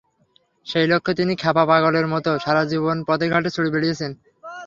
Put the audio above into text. সেই লক্ষ্যে তিনি খ্যাপা পাগলের মতো সারা জীবন পথে-ঘাটে ছুটে বেড়িয়েছেন।